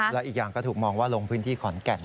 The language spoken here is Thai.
แล้วอีกอย่างก็ถูกมองว่าลงพื้นที่ขอนแก่น